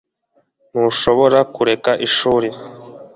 ntushobora kureka ishuri